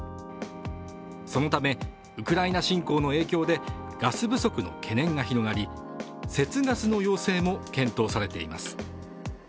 そのためウクライナ侵攻の影響でガス不足の懸念が広がり、節ガスの要請も検討されています。